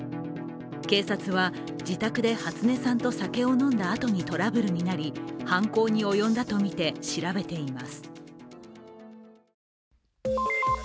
警察は自宅で初音さんと酒を飲んだあとにトラブルになり犯行に及んだとみて調べています。